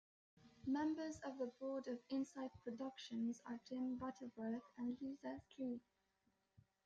Members of the board of Incite Productions are Jim Butterworth and Lisa Sleeth.